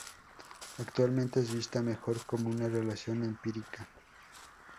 Actualmente, es vista mejor como una relación empírica.